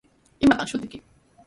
¿Imataq shutiyki?